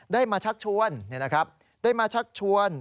ได้มาชักชวน